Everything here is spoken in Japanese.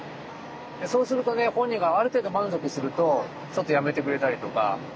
そうするとね本人がある程度満足するとちょっとやめてくれたりとか。